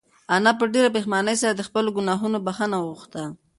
انا په ډېرې پښېمانۍ سره د خپلو گناهونو بښنه وغوښته.